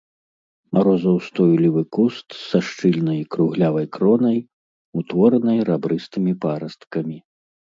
Марозаўстойлівы куст са шчыльнай круглявай кронай, утворанай рабрыстымі парасткамі.